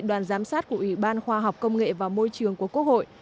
đoàn giám sát của ủy ban khoa học công nghệ và môi trường của quốc hội